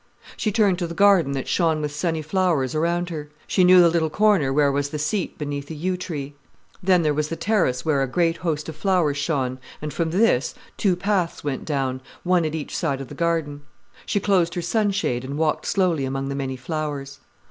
She turned to the garden that shone with sunny flowers around her. She knew the little corner where was the seat beneath the yew tree. Then there was the terrace where a great host of flowers shone, and from this, two paths went down, one at each side of the garden. She closed her sunshade and walked slowly among the many flowers.